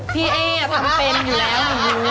พี่เอ่ยทำเป็นอยู่แล้ว